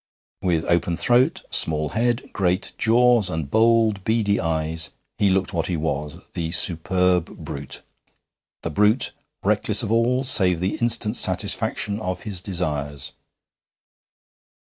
With open throat, small head, great jaws, and bold beady eyes, he looked what he was, the superb brute the brute reckless of all save the instant satisfaction of his desires.